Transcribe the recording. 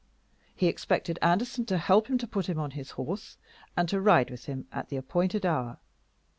He expected Anderson to help to put him on his horse, and to ride with him at the appointed hour.